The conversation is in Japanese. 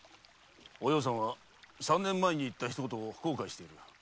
お葉さんは三年前に言った一言を後悔している。